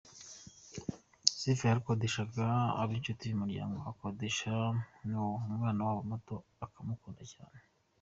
Sifa yarakodeshaga, aba inshuti y’umuryango akodesha nawo, umwana wabo muto akamukunda cyane.